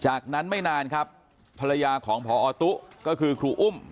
จากนั้นไม่นานครับภรรยาของพอตุ๊ก็คือครูอุ้ม